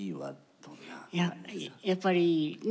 いややっぱりね